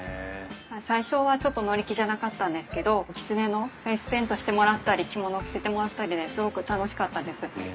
最初はちょっと乗り気じゃなかったんですけどきつねのフェイスペイントしてもらったり着物を着せてもらったりですごく楽しかったです。